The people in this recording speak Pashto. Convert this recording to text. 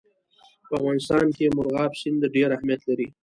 په افغانستان کې مورغاب سیند ډېر اهمیت لري.